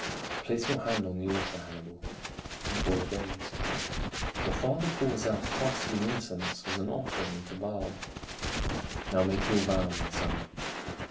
" Place your hand on the altar, Hannibal." The boy obeys. The father pours out costly incense as an offering to Baal. " Now make your vow, my son."